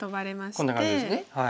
こんな感じですね。